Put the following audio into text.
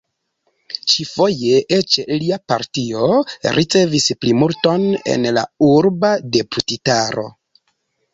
Ĉi-foje eĉ lia partio ricevis plimulton en la urba deputitaro.